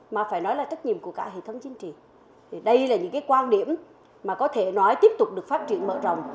mà phải nói là trách nhiệm của cả hệ thống chính trị thì đây là những cái quan điểm mà có thể nói tiếp tục được phát triển mở rộng